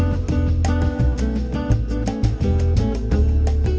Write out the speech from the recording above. lobster pantai payangan